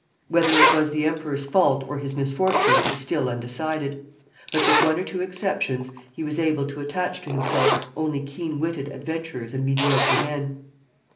Whether it was the emperor's fault or his misfortune, is still undecided; but, with one or two exceptions, he was able to attach to himself only keen witted adventurers and mediocre men.